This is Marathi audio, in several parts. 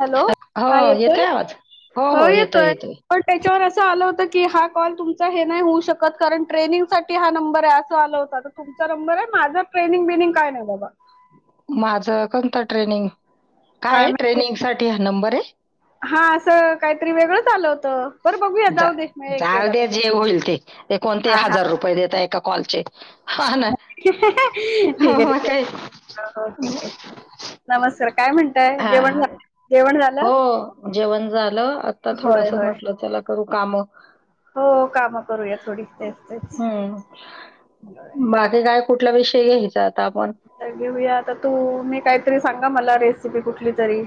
हॅलो हा येतोय? हो येतोय. पण त्यांच्यावर असं आलं होतं की, हा कॉल तुमचा हे नाही होऊ शकत. कारण ट्रेनिंगसाठीठी हा नंबर आहे असं आला होता. तुमचा नंबर आहे. माझा ट्रेनिंग बेनिंग काय नाही बाबा- माझं कोणत ट्रेनिंग काय ट्रेनिंग साठी हा नंबर आहे. हा असं काहीतरी वेगळंच आलं होतं. बरं बघूया जाऊ दे म एक गेला तर जाऊदे जे गेला. होईल ते ते कोणते हा हा हजार रुपये देत एका कॉलचे. हां ना. हा हा हो, ठीक आहे मग ठीक आहे. काय. हो हो ठीक आहे नमस्कार काय म्हणत- हा हो जेवण झालं आता होय थोडस होय. म्हटलं चला- करू काम. हो काम करूया थोडी तेच तेच. हं. बाकी काय कुठला विषय घ्यायचा आता आपण, तर घेऊया आता तू मी काहीतरी सांगा मला रेसिपी कुठली तरी?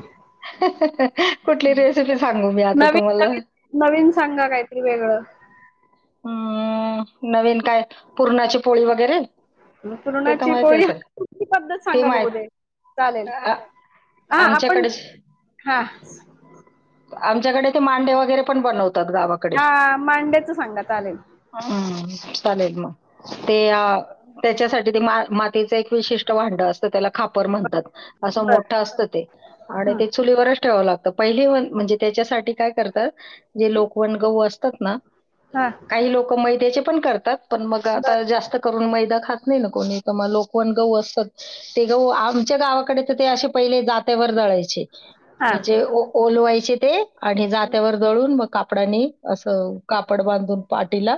कुठली रेसिपी सांगू मी आता नवीन तुम्हाला? नवीन नवीन सांगा काहीतरी वेगळं. हम्म नवीन काय. पुूरणाची पोळी वगैरे ते तर पुरणाची माहिती पोळी असेल कुठली पद्धत ते सांगा बघू दे चालेल माह हा आपण आमच्याकडेच हा आमच्याकडे ते मांडे वगैरे पण बनवतात गावा हा मांड्याच सांगात आलेल हम्म चालेल म ते त्याच्यासाठी ते मातीच एक विशिष्ट भांड असत त्याला खापर म्हणतात असं बर मोठं असत ते आणि ते चुलीवरच ठेवावं लागतं पहिली म्हणजे त्याच्यासाठी काय करतात जे लोकवण गहू असतात ना, हा, काही लोकं मैद्याचे पन करतात, पन मग बर आता जास्त करून मैदा खात नाही ना कोणी, क म आता लोकवण गहू असतात, ते गहु आमच्या गावाकडे तर ते असे पहिले जात्यावर दळायचे. हा म्हणजे ओ ओलवायचे ते, आणि जात्यावर दळून मग कापडाने, असं कापड बांधून पाटीला,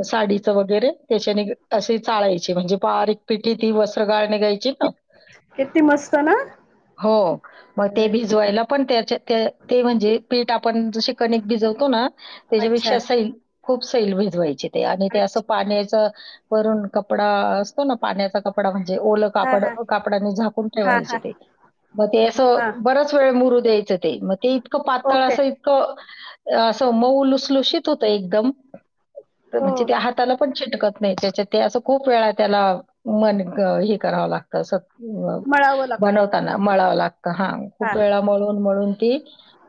आस साडीचं वगैरे त्याच्याने अशी चाळायची, म्हणजे बारीक पिटी ती, वस्त्र गाळ निगायची ना, किती मस्त ना हो, मग ते भिजवायला, पन त्याच्या, ते म्हणजे पीठ आपण जशी कनीक भिजवतो ना, अच्छा त्याच्यापेक्षा खूप सैल भिजवायची ते, आणि ते असं अच्छा पाण्याच वरून कपडा असतो ना, पाण्याचा कपडा, म्हणजे ओलं हा कापड, हा कापडानी झाकून हा हा ठेवायचे ते. मग ते हा असं, बराच वेळ मुरू द्यायचं. ते, मग ते इतकं पातळ ओके अस इतकं, अस मऊ लुसलुशीत हुतय एकदम, हो म्हणजे ते हाता हाताला पण चिटकत नाही, त्याच्या ते असं खूप वेळा त्याला मन हे करावं लागत, मळावं लागतं बनवताना मळावं लागतं हां, हा खूप वेळा, मळून मळून ती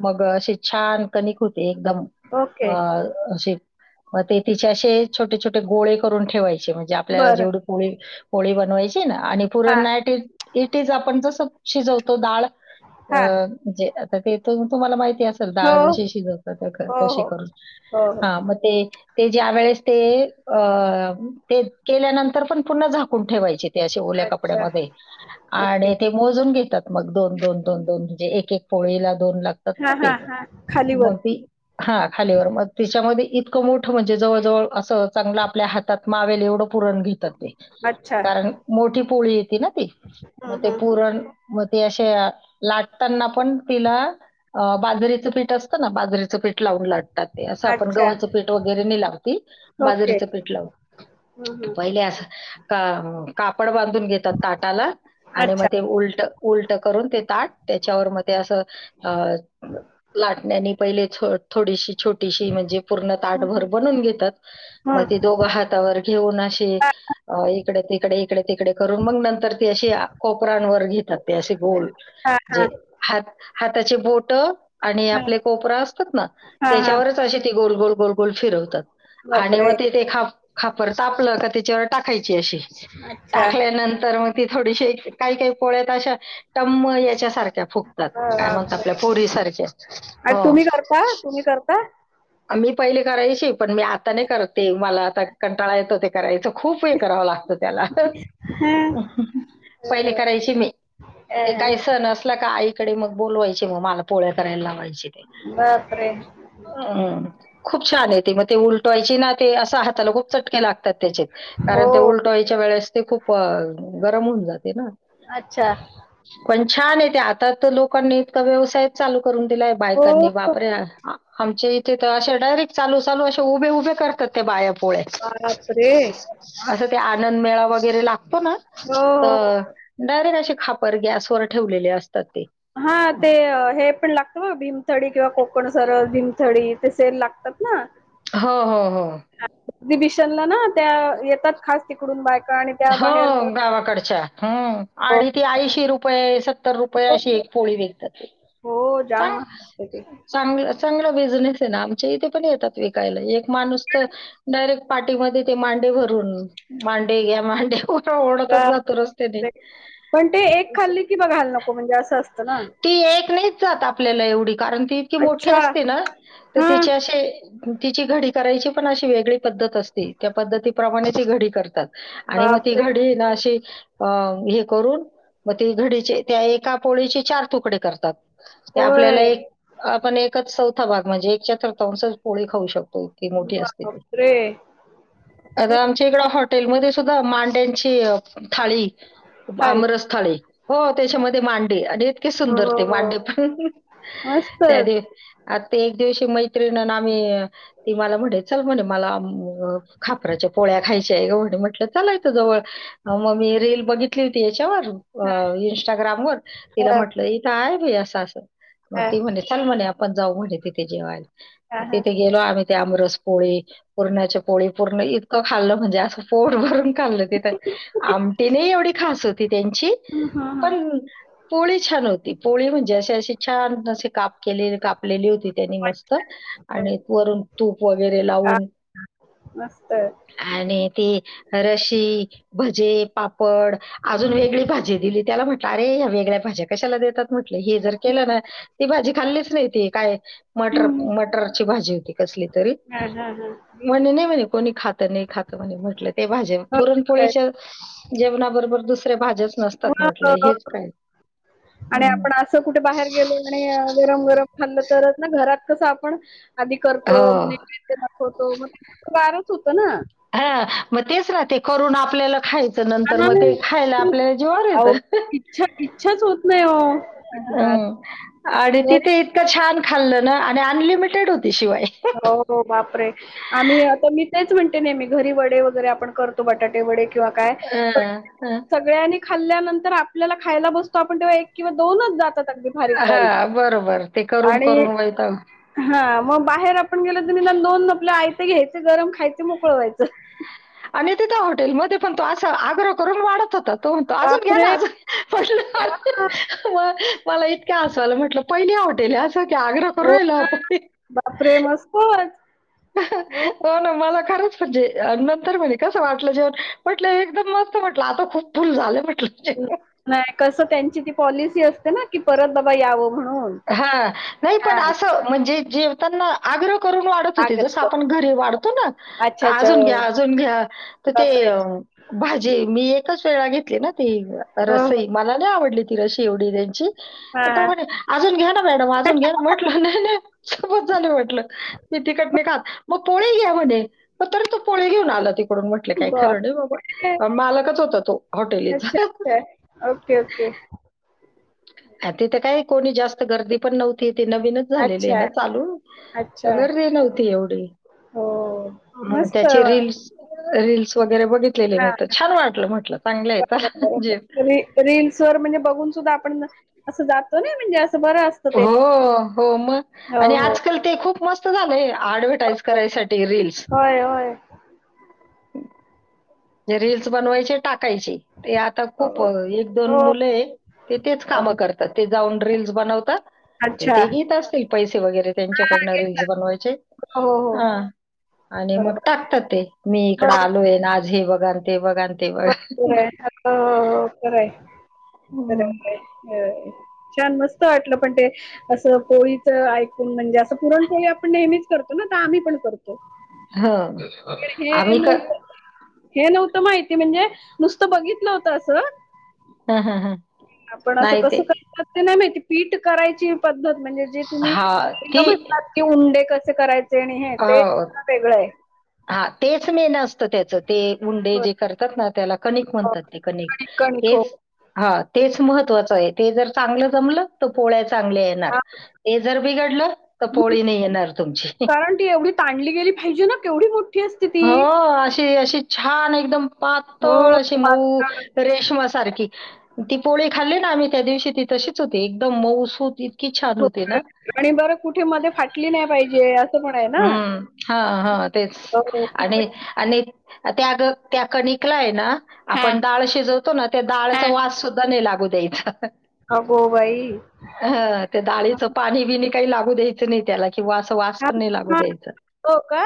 मग अशी, छान कणिक होते, एकदम ओके अ अशे, म ते तिचे असे छोटे छोटे गोळे करून ठेवायचे, म्हणजे आपल्याला बरं जेवढं ळी, पोळी बनवायची ना, आणि हा पुरण नाईट, इट इज आपण जसं शिजवतो डाळ हा अ जे, आता ते त तुम्हाला माहिती असेल हो, डाळ जशी शिजवतात, हो, तशी हो, करून, हो, हो. म ते ते ज्या वेळेस ते, अ ते केल्यानंतर पण पुन्हा झाकून ठेवायचे. ते आशे, ओल्या अच्छा, कपड्यामध्ये, ओके. आणि ते. मोजून घेतात मग, दोन दोन दोन दोन म्हणजे एक एक पोळीला दोन लागत हां, तात हां, ते हां. खाली वर. मग ते हा, खालीवर मग तिच्यामध्ये इतकं मोठं, म्हणजे जवळजवळ असं चांगलं, आपल्या हातात मावेल एवढं पुरण घेतात ते. अच्छा. कारण मोठी पोळी येती ना ती, मग हं, ते हं, हं. पुरण मग ते अशे, लाटताना पण तिला अ बाजरीचं पीठ असतं ना, बाजरी पीठ लावून लटतात ते, असं आपण अच्छा, गव्हाचं पीठ वगैरे नाही लावत ती, ओके. बाजरीच पीठ लावून हं, हं. पहिले अस कापड बांधून घेतात ताटाला, आणि मग अच्छा. ते उलट, उलट करून ते ताट, त्याच्यावर म ते असं अ लाटण्यानी पहिले थोडीशी, छोटीशी, म्हणजे पूर्ण हं, ताटभर हं. बनवुन घेतात, मग ते हं. दोघं हातावर घेऊन अशे अ इकडे तिकडे इकडे तिकडे करून मग नंतर ती अशी कोपरांवर घेतात ते ते अशे गोल हां, हां. जे हात हाताचे बोटं आणि हं. आपले कोपरं असतात ना हां, हां. तशे ते गोल गोल गोल गोल फिरवतात आणि मग बापरे! ते ते ख खापर तापलं का त्याच्यावर टाकायची अशी अच्छा. टाकल्यानंतर मग थोडीशी काही काही पोळ्यात अशा टम्म याच्यासारख्या त्या फुगतात काय म्हणतात बापरे! आपल्या पुरी सारख्या आणि हो तुम्ही करता? तुम्ही करता? मी पहिले करायची पण मी आता नाही करत ते मला आता कंटाळा येतो ते. करायचं खूप हे करावं लागतं त्याला तर पहिले करायची मी ते काय अ, सण अस असला का आईकडे मग बोलावायचे मग मला पोळ्या करायला लावायचे ते. बाप रे खूप छान आहेेत ते मग ते उलटवायची ना ते असं हाताला खूप चटके लागतात त्याचे हो. कारण ते उलटवायच्या वेळेस ते खूप गरम होऊन जाते ना अच्छा. पण छान आहे ते आता तर लोकांनी इतका व्यवसायच चालू करून दिलाय हो, बायकांनी बाप रे आमच्या इथे तर अशा डायरेक्ट चालू चालू असे उभे उभे करतात त्या बाया पोळया बाप रे. असं ते आनंद मेळा वगैरे लागतो ना हो, हो. तर डायरेक्ट असे खा. गॅसवर ठेवलेले असतात ते हा ते हे पण लागतं ब भीमथडी किंवा कोकण सरस भीमथडी ते सेल लागतात ना हो हो हो. एक्झिबिशनला ना त्या येतात खास. तिकडून बायका आणि. त्या हो बाहेर गावाकडच्या हम्म आणि ती ऐंशी रुपये सत्तर रुपये अशी पोळी विकतात हो जाम मान असते ते. चांग चांगला बिझनेस आहे ना आमच्या इथे पण येतात विकायला एक माणूस तर डायरेक्ट पार्टीमध्ये ते मांडे भरून मांडे घ्या मांडे ओरडतच बा जातो रस्त्याने. पण ते एक खाल्ली की बघायला नको म्हणजे असं असतं ना. ती एक नाहीच जात आपल्याला एवढी कारण ती इतकी मोठी अच्छा असते ना तर हा तिचे असे. तिची घडी करायची पण अशी वेगळी पद्धत असते त्या पद्धतीप्रमाणे ती घडी करतात. आणि मग ती बापरे घडी ना अशी. अ हे करून मग ते घडीचे त्या एका पोळीचे चार तुकडे करतात. ते आपल्याला होय. एक आपण एकच चौथा भाग म्हणजे एक चतुर्थांअंश. पोळी खाऊ शकतो इतकी मोठी असते ती. बापरे आता आमच्या इकड हॉटेलमध्ये सुद्धा मांड्यांची थाळी. थाळी आमरस थाळी हो त्याच्यामध्ये मांडे आणि इतके हो सुंदर हो ते मांडे. हो त्या मस्तच. दिव आताता एक दिवशी मैत्रीण आम्ही. ती मला म्हणे चल म्हणे मला खापराच्या पोळ्या खायच्या आहे गं म्हणे म्हंटलं चला इथं जवळ. मग मी रेल बघितली होती याच्यावर. हा अ इंस्टाग्राम वर तिला हा म्हटलं इथ आहे बाई असं असं मग हा ती म्हणे. चल म्हणे आपण जाऊ म्हे तिथे हा जेवायला हा तिथे गेलो आम्ही त्याआमरस पोळी पुरणाची पोळी पूर्ण इतकं खाल्लं म्हणजे. पोट भरून खाल्लं ते तर आमटी नाही, एवढी खास होती त्यांची. हा. पण पोळी छान होती पोळी म्हणजे असे असशी छान असे काप के कापलेली होती त्यांनी हा मस्त आणि हा वरून तूप वगैरे लावून. मस्त आणि ती रशी भजे पापड, अजून हम्म, वेगळी भाजी दिली त्याला, म्हटलं, अरे, या वेगळ्या भाज्या कशाला देतात म्हटलं, हे जर केलं ना, ती भाजी खाल्लीच नाही ती काय मटर हम्म. मटरची भाजी होती कसली तरी. हा हा हा. म्हणे नाही, म्हणे कोणी खातं नाही, खातं म्हणे, म्हटलं. ते भाज्या हो, काय. पुरणपोळीच्या जेवणाबरोबर दुसऱ्या भाज्या. नसतात मग, म्हटलंय, हेच काय, आणि हम्म आपण असं कुठे बाहेर गेलो आणि गरम गरम खाल्लं तरच ना, घरात कसं आपण आधी करतो हो. नीट नीट, दखवतो, मग त्याच्या गारच होत ना. हा मग तेच ना ते. करून आपल्याला खायचं नंतर, हा, मग ते खायला आपल्याला जीवावर अहो येतं. इच्छा इच्छाच होत नाही हो नाही घरी इतक छान खाल्लं ना, आणि अनलिमिटेड होती शिवाय हो हो बापरे! आम्ही आता मी तेच म्हणतो नेहमी घरी वडे वगैरे आपण करतो, बटाटे वडे किंवा काय पण हं, हं. सगळ्यांनी खाल्ल्यानंतर आपल्याला खायला बसतो आपण तेव्हा एक किंवा दोनच जातो. हा बरोबर, ते करून करून वैतागून हा मग बाहेर आपण गेल तर, निदान दोन आपल्या आयते घ्यायचे, गरम खायचे, मोकळ व्हायचं. आणि तिथ हॉटेलमध्ये पण तो असा आग्रह करून वाढत होताात. तू म्हणतो अजून घ्या ना, बापरे! अजून पटलं हां, मग. मला इतकं हसायला म्हटलं, पहिली हॉटेल असं की आग्रहावर राहिलो आपण. होय. हो ना मला खरंच म्हणजे नंतर म्हणे कसं वाटलं जेवण म्हटलं, एकदम मस्त म्हटलं, आता खूप फुल झाले म्हटलं जेवण नाही, कसं त्यांची ती पॉलिसी असते ना की परत बाबा यावं म्हणून हा नाही पण हां, असं म्हणजे जेवताना आग्रह करून वाढण तसं हो आग्रह जसं आपण करून. घरी वाढतो ना, का अच्छा, अच्छा. अजून घ्या, हो. अजून घ्या तर ते बापरे! भाजी मी एकच वेळा घेतली ना ती हो हो रसई मला नाही आवडली. तिशी एवढी त्यांची, हा तो म्हणे अजून घ्या ना मॅडम, अजून घ्या ना, म्हटलं नाही. बस झालं वाटलं मी तिकटने खात, मग पोळी घ्या म्हणे तरी तो पो ळी घेऊन आला तिकडून मग काय बाप खरं नाही रे. बाबा, मालकच होता तो अच्छा हॉटेलीचा अच्छा ओके ओके तिथं काय कोणी जास्त गर्दी पण नव्हती. तिथे नवीनच झालेली आहे अच्छा ना चालू, अच्छा गर्दी नव्हती एवढी हो हो मस्त त्याचे रीलस रील्स वगैरे बघितलेले हा मी, तर छान वाटलं म्हटलं, चांगलं आहे तर जे रीलस वर म्हणजे बघून सुद्धा आपण असं जातो ना, म्हणजे अस हो हो मग हो आणि हो आजकाल ते खूप मस्त झालंय आडवे अँडवर्टिस करायसाठी रीलल्स होय होय होय. जे रीलल्स बनवायचे टाकायचे ते आता हो खूप एक दोन हो हो. मुले आहे. ते तेच कामं करतात ते जाऊन रील्स बनवतात. अच्छा ते घेत असतील पैसे वगैरे त्यांच्याकडनं रीलस बनवायचे. हो हो हो. हा आणि मग बरोबर आहे टाकतात ते मी इकड आलोय आज हे बघा अन ते बघा. ते बघा. वरती आहे हात बरा आहे. छान मस्त वाटलं पण ते असं पोळीचं ऐकून म्हणजे असं पुरण पोळी आपण नेहमीच करतो ना तर आम्ही पण करतो. हं. हे आम्ही क नव्हत [inaudible] हे नव्हतं माहित कि म्हणजे नुसतं बघितलं होतं असं हा हा हा आपण असं कसं करतात ते नाही माहिती पीठ करायची पद्धत म्हणजे जे तुम्ही हा ती पहिलं म्हणतात की उंडे कसे करायचे आणि हे ते अं, वेगळं आहे. हा तेच मेन असतं त्याच ते उंडे होय. जे करतात ना त्याला कणिक हो, म्हणतात ते कणिक कणिक हो तेच हा तेच महत्त्वाचं आहे ते जर चांगलं जमलं तर पोळ्या चांगल्या येतात. हां, ते जर बिघडलं तर पोळी नाही येणार तुमची कारण ती एवढी ताणली गेली पाहिजे ना केवढी मोठी असते ती. हो अशी अशी छान एकदम हो पातळ अशी मऊ पातळ रेशमा सारखी ती पोळी खाल्ली ना आम्ही त्या दिवशी ती तशीच होती एकदम माऊसत होती. की छान हो. होती ना आणि बरं कुठे मध्ये फाटली नाही पाहिजे अस हम्म हा हा तेच हो आणि, खूपच आणि त्या त्या कनिकलाय ना हा आपण डाळ शिजवतो ना त्या हा डाळचा वास सुद्धा नाही लागू द्यायचां. अगो बाई ह हां, डाळीच पाणी काही लागू द्यायचं नाही त्याला किंवा वास हां, लागू हां. द्यायचं, हो का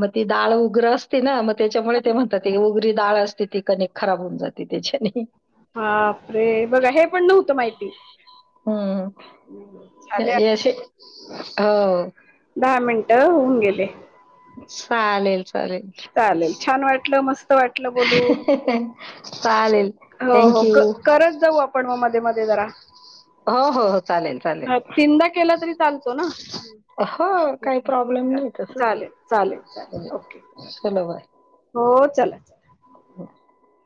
मग ते दाळ असते ना त्याच्यामुळे ते म्हणताती [unintelligible] गरी डाळ असते ती कनेिक खराब होऊन जाते त्याच्याने बाप रे बघा हे पण नव्हतं माहिती हम्म. ् [inaudible] ले हो. दहा मिनटं होऊन गेले चालेल चालेल. चालेल छान वाटलं मस्त वाटलं बोलून चालेल. हो हो थँक यू. करत जाऊ आपण मध्ये मध्ये जरा हो, हो, हो. चालेल, चालेल. हा तीनदा केला तरी चालतो ना हो काही प्रॉब्लेम नाही तसं. चालेल चालेल चालेल ओके हो चला ब [inaudible]